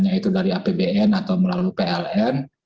yaitu dari apbn atau melalui pln